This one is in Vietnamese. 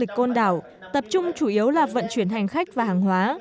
cần thơ côn đảo tập trung chủ yếu là vận chuyển hành khách và hàng hóa